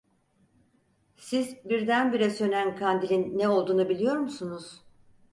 Siz, birdenbire sönen kandilin ne olduğunu biliyor musunuz?